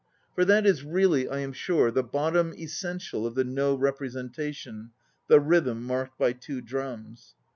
For that is really, I am sure, the bottom essential of the No repre sentation the rhythm marked by two drums.